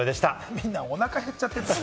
みんな、おなか減っちゃって。